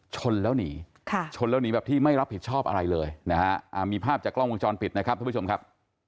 ชนแล้วหนีชนแล้วหนีแบบที่ไม่รับผิดชอบอะไรเลยนะฮะมีภาพจากกล้องวงจรปิดนะครับทุกผู้ชมครับ